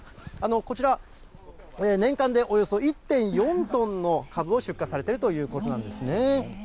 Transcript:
こちら、年間でおよそ１．４トンのかぶを出荷されているということなんですね。